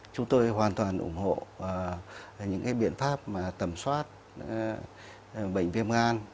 chúng tôi hoàn toàn ủng hộ những biện pháp tầm soát bệnh viêm gan